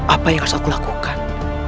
apa yang harus aku lakukan